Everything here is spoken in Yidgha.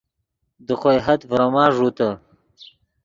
دے خوئے حد ڤروما ݱوتے